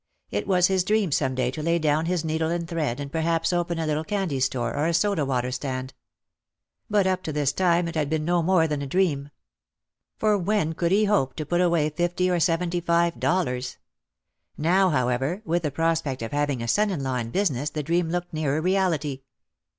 It was his dream some day to lay down his needle and thread and perhaps open a little candy store or a soda water stand. But up to this time it had been no more than a dream. For when could he hope to put away fifty or seventy five dollars ! Now, however, with the prospect of having a son in law in business the dream looked nearer reality.